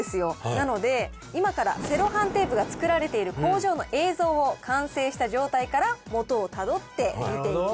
なので今からセロハンテープが作られている工場の映像を完成した状態からモトをたどって見ていきます。